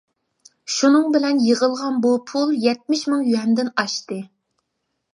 شۇنىڭ بىلەن يىغىلغان بۇ پۇل يەتمىش مىڭ يۈەندىن ئاشتى.